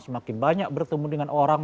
semakin banyak bertemu dengan orang